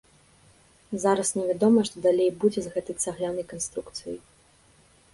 Зараз невядома што далей будзе з гэтай цаглянай канструкцыяй.